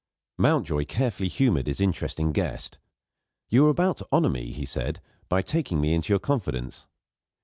Mountjoy carefully humoured his interesting guest. "You were about to honour me," he said, "by taking me into your confidence."